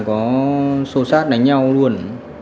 có sô sát đánh nhau luôn